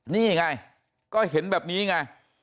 นี่ไงก็เห็นแบบนี้ไง